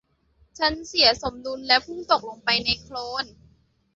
ฉันเสียสมดุลและพุ่งตกลงไปในโคลน